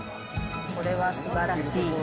これはすばらしい。